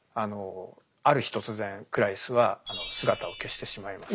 ある日突然クラリスは姿を消してしまいます。